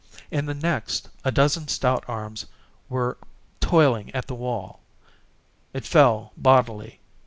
In the next, a dozen stout arms were toiling at the wall. It fell bodily.